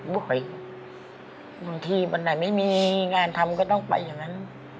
บางทีวันไหนไม่มีงานทำก็ต้องไปอย่างนั้น